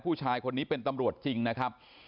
ผู้ชายคนนี้เป็นตำรวจจริงนะครับ